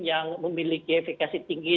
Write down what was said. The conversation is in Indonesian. yang memiliki efekasi tinggi